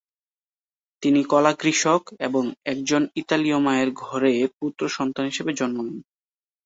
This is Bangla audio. তিনি কলা কৃষক এবং একজন ইতালীয় মায়ের ঘরে পুত্র সন্তান হিসেবে জন্ম নেন।